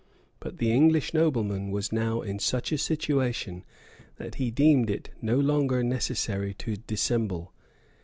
But the English nobleman was now in such a situation, that he deemed it no longer necessary to dissemble.